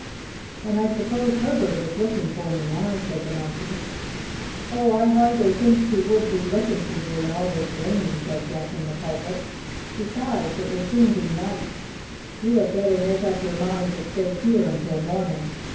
"And I suppose Herbert is looking for me now," said the Monkey. "Oh, I hardly think he would be looking for you in all this rain," said Jack in the Pulpit. "Besides it will soon be night. You had better make up your mind to stay here until morning.